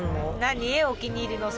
お気に入りのお酒。